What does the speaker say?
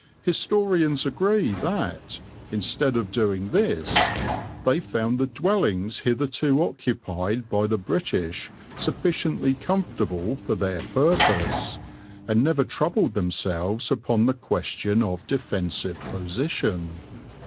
Historians agree that, instead of doing this, they found the dwellings hitherto occupied by the British sufficiently comfortable for their purpose, and never troubled themselves upon the question of defensive position.